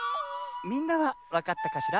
みんなはわかったかしら？